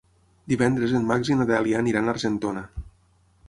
Divendres en Max i na Dèlia aniran a Argentona.